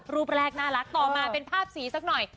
รูปแรกน่ารักต่อมาเป็นภาพสีสักหน่อย